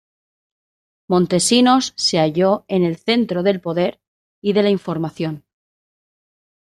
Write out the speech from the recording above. Montesinos se halló en el centro del poder y de la información.